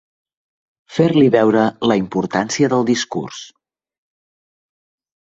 Fer-li veure la importància del discurs.